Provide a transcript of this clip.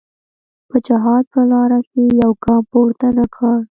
په جهاد په لاره کې یو ګام پورته نه کړ.